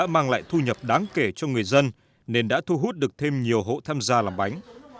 minh bạch hiệu quả hợp lý